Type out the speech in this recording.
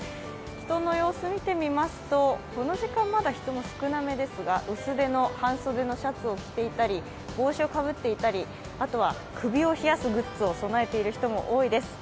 人の様子を見てみますとこの時間まだ人は少なめですが、薄めの半袖のシャツを着ていたり帽子をかぶってたり、首を冷やすグッズを備えている人も多いです。